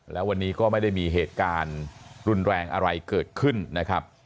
แล้ววันนี้ก็ไม่ได้มีเหตุการณ์รุนแรงอะไรเกิดขึ้นนะครับ